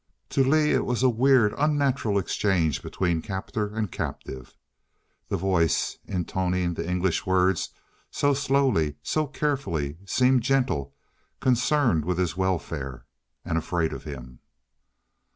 To Lee it was a weird, unnatural exchange between captor and captive. The voice, intoning the English words so slowly, so carefully, seemed gentle, concerned with his welfare ... and afraid of him.